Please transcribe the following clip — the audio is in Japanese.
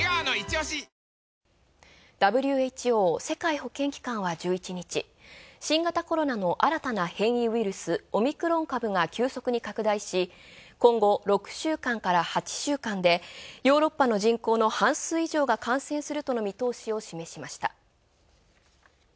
ＷＨＯ＝世界保健機関は１１日、新型コロナの新たな変異ウイルスオミクロン株が急速に拡大し、今後、６週間から８週間でヨーロッパの人口の半数以上が感染するとの見通しを示しました。